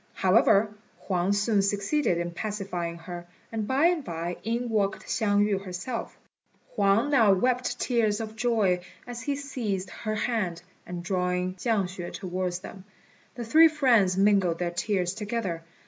However, Huang soon succeeded in pacifying her, and by and by in walked Hsiang yü herself. Huang now wept tears of joy as he seized her hand, and drawing Chiang hsüeh towards them, the three friends mingled their tears together.